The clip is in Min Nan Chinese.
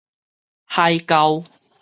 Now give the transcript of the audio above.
海溝